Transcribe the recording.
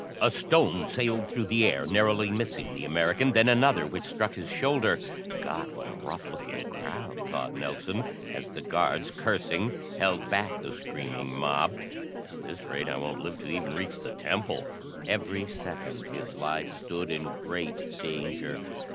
A stone sailed through the air, narrowly missing the American; then another, which struck his shoulder. "God, what a rough looking crowd," thought Nelson, as the guards, cursing, held back the screaming mob. "At this rate I won't live to even reach the temple!" Every second his life stood in great danger.